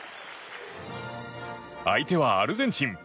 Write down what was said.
相手はアルゼンチン。